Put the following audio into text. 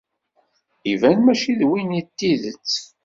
Iban mačči d win n tidet.